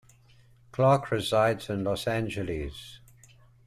Clark resides in Los Angeles.